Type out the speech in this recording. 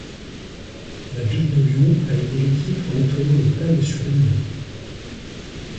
La ville de Lyon a aidé l'équipe en nettoyant des tags sur les murs.